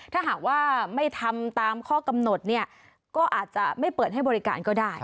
ถ้าหากว่าไม่ทำตามข้อกำหนดเนี่ยก็อาจจะไม่เปิดให้บริการก็ได้